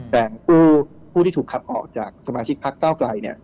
แต่ผู้ที่ถูกขับออกจากสมาชิกพักเก้าไกล